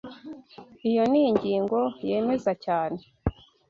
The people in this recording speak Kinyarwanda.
Iyo ni ingingo yemeza cyane.